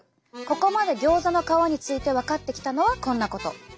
ここまでギョーザの皮について分かってきたのはこんなこと！